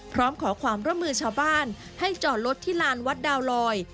พร้อมขอความร่วมมือชาวบ้านให้จอดรถที่ลานวัดดาวลอย